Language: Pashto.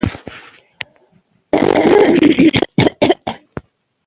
موږ غواړو چې خپل تاریخ ژوندی وساتو.